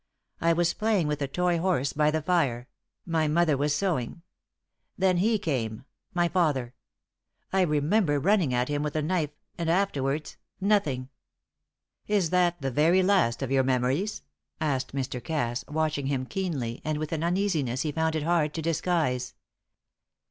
I was playing with a toy horse by the fire; my mother was sewing. Then he came my father. I remember running at him with a knife, and afterwards nothing." "Is that the very last of your memories?" asked Mr. Cass, watching him keenly, and with an uneasiness he found it hard to disguise.